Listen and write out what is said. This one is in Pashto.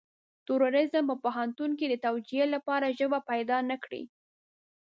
تروريزم په پوهنتون کې د توجيه لپاره ژبه پيدا نه کړي.